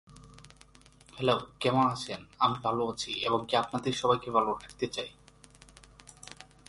Marjorie Baumgarten said that they hit the right notes.